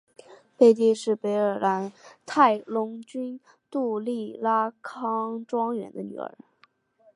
贝蒂是北爱尔兰泰隆郡杜利拉冈庄园的女儿。